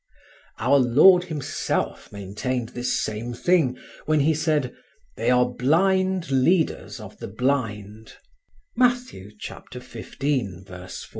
Our Lord Himself maintained this same thing when He said: "They are blind leaders of the blind" (Matthew, xv, 14).